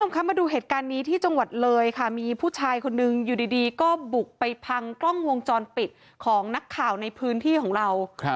คุณผู้ชมคะมาดูเหตุการณ์นี้ที่จังหวัดเลยค่ะมีผู้ชายคนนึงอยู่ดีก็บุกไปพังกล้องวงจรปิดของนักข่าวในพื้นที่ของเรา